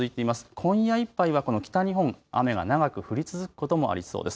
今夜いっぱいはこの北日本、雨が長く降り続くこともありそうです。